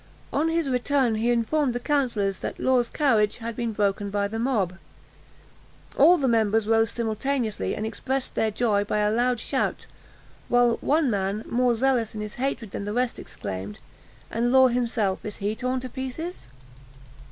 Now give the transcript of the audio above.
On his return he informed the councillors that Law's carriage had been broken by the mob. All the members rose simultaneously, and expressed their joy by a loud shout, while one man, more zealous in his hatred than the rest, exclaimed, "And Law himself, is he _torn to pieces?